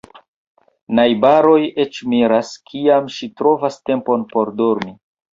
Najbaroj eĉ miras, kiam ŝi trovas tempon por dormi.